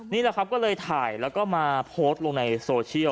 นี่แหละครับก็เลยถ่ายแล้วก็มาโพสต์ลงในโซเชียล